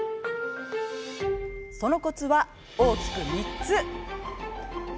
そのコツは、大きく３つ。